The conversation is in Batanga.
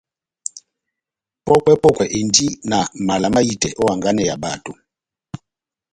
Pɔ́kwɛ-pɔkwɛ endi na mala mahitɛ ó hanganɛ ya bato.